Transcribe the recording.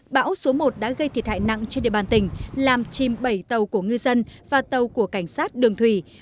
bão số một đã gây thiệt hại nặng trên địa bàn tỉnh làm chìm bảy tàu của ngư dân và tàu của cảnh sát đường thủy